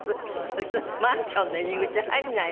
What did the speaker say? うちのマンションの入り口入らないの。